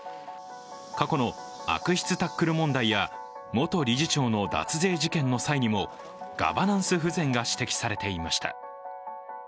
過去の悪質タックル問題や元理事長の脱税事件の際にもガバナンス不全が指摘されていました。